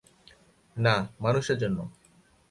না, মানুষের জন্য।